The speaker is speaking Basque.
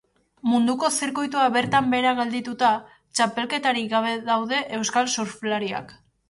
Munduko zirkuitoa bertan behera geldituta, txapelketarik gabe daude euskal surflariak.